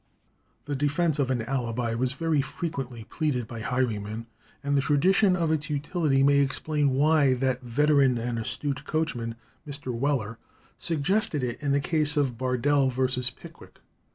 The defence of an alibi was very frequently pleaded by highwaymen, and the tradition of its utility may explain why that veteran and astute coachman, Mr. Weller, suggested it in the case of "Bardell v. Pickwick."